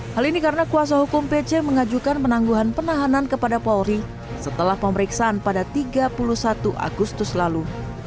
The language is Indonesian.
hal ini karena kuasa hukum pc mengajukan penangguhan penahanan kepada polri setelah pemeriksaan pada tiga puluh satu agustus lalu